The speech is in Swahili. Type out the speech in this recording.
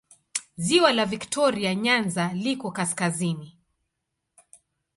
Ziwa la Viktoria Nyanza liko kaskazini.